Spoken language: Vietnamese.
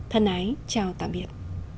thân ái chào tạm biệt